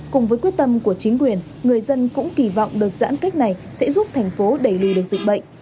cùng với quyết tâm của chính quyền người dân cũng kỳ vọng đợt giãn cách này sẽ giúp thành phố đẩy lùi được dịch bệnh